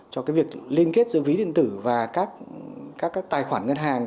cho cái việc liên kết giữa ví điện tử và các tài khoản ngân hàng